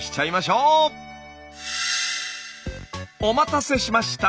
お待たせしました。